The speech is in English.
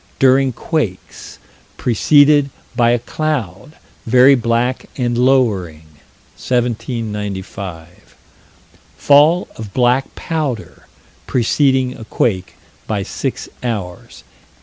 during quakes preceded by a cloud, very black and lowering," 1795 fall of black powder, preceding a quake, by six hours, 1837.